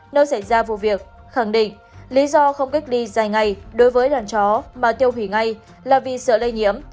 nơi xảy ra vụ việc khẳng định lý do không cách ly dài ngày đối với đàn chó mà tiêu hủy ngay là vì sợ lây nhiễm